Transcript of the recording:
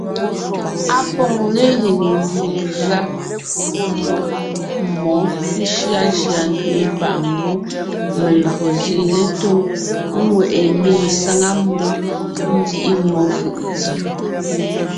Á pôŋ legiŋ ngʉa mmó shʉashʉa nkẅiʼi páʼ ngwɔ́ melÿo zîʼi letóŋ, ŋweʼe mbiŋ sáŋa mmó, nzíʼi mmó fʉʼ ntsèm.